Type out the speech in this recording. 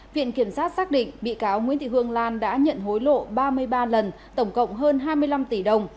viện kiểm sát xác định bị cáo nguyễn thị hương lan đã nhận hối lộ ba mươi ba lần tổng cộng hơn hai mươi năm tỷ đồng